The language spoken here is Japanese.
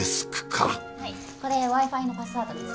はいこれＷｉ−Ｆｉのパスワードです。